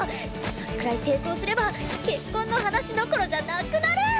それくらい抵抗すれば結婚の話どころじゃなくなる！